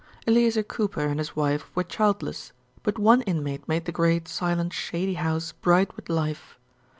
Eleazer Cooper and his wife were childless, but one inmate made the great, silent, shady house bright with life.